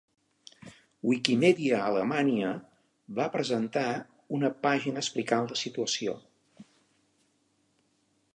Wikimedia Alemanya va presentar una pàgina explicant la situació.